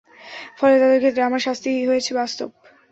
ফলে তাদের ক্ষেত্রে আমার শাস্তি হয়েছে বাস্তব।